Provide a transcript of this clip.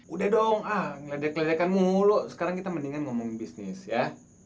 udah dong ah ngeledek ledekan mulu sekarang kita mendingan ngomong bisnis ya